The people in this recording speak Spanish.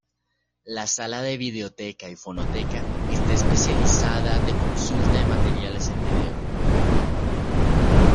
La sala de videoteca y fonoteca está especializada de consulta de materiales en video.